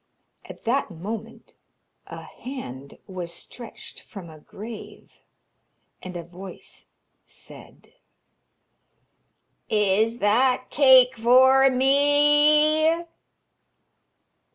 At that moment a hand was stretched from a grave, and a voice said: 'Is that cake for me?'